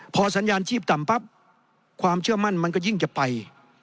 พอสัญญาณชีพต่ำปั๊บความเชื่อมั่นมันก็ยิ่งจะไป